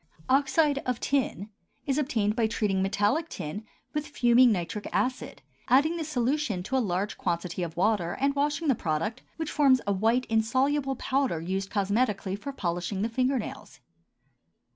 OXIDE OF TIN is obtained by treating metallic tin with fuming nitric acid, adding the solution to a large quantity of water, and washing the product, which forms a white insoluble powder used cosmetically for polishing the finger nails.